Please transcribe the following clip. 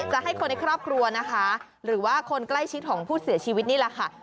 ให้คนในครอบครัวนะคะหรือว่าคนใกล้ชิดของผู้เสียชีวิตนี่แหละค่ะ